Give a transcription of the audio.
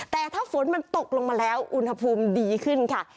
แต่ถ้าฝนมันตกลงมาแล้วอุณหภูมิดีขึ้นค่ะ